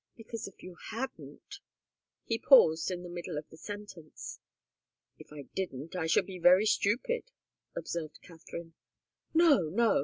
"Because if you didn't " He paused in the middle of the sentence. "If I didn't, I should be very stupid," observed Katharine. "No, no!